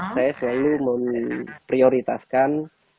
saya selalu memprioritaskan